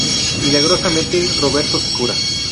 Milagrosamente, Roberto se cura.